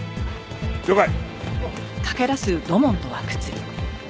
了解！